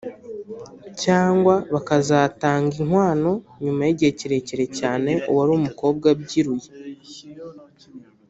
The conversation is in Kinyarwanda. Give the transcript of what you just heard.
cyangwa bakazatanga inkwano nyuma y’igihe kirekire cyane uwari umukobwa abyiruye